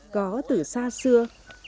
có từ xa xưa